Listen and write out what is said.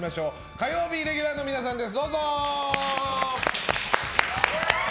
火曜レギュラーの皆さんです。